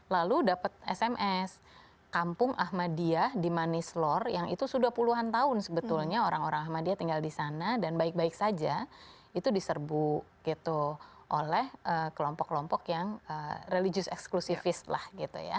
lalu dapat sms kampung ahmadiyah di manislore yang itu sudah puluhan tahun sebetulnya orang orang ahmadiyah tinggal di sana dan baik baik saja itu diserbu gitu oleh kelompok kelompok yang religius eksklusifis lah gitu ya